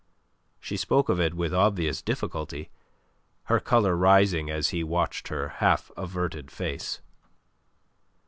She spoke of it with obvious difficulty, her colour rising as he watched her half averted face.